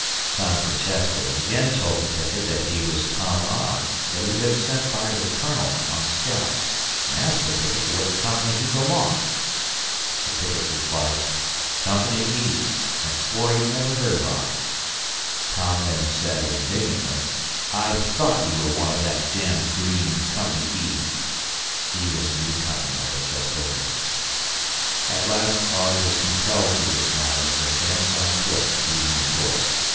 Tom protested and again told the picket that he was Tom Ogg, that he had been sent by "the Colonel" on a scout, and asked the picket to what company he belonged. The picket replied, "Company E", and swore he had never heard of Ogg. Tom then said, indignantly, "I thought you were one of that d d green Company E." [E was a new company I had just organized.] At last Ogg was compelled to dismount and advance on foot leading his horse.